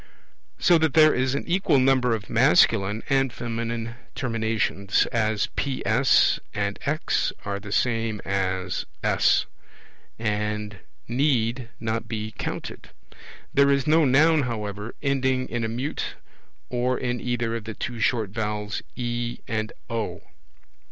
So that there is an equal number of masculine and feminine terminations, as PS and X are the same as S, and need not be counted. There is no Noun, however, ending in a mute or in either of the two short vowels, E and O.